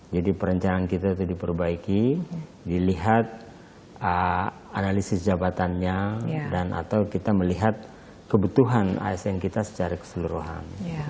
jadi perencanaan kita itu diperbaiki dilihat analisis jabatannya dan atau kita melihat kebutuhan asn kita secara keseluruhan